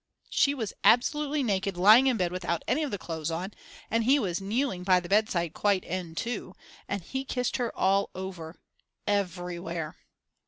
She was absolutely naked lying in bed without any of the clothes on, and he was kneeling by the bedside quite n too, and he kissed her all over, _everywhere!!!